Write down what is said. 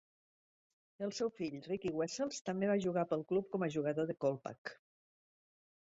El seu fill, Riki Wessels, també va jugar pel club com a jugador del Kolpak.